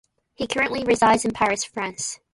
He currently resides in Paris, France.